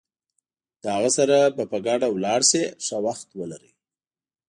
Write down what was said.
له هغه سره به په ګډه ولاړ شې، ښه وخت ولرئ.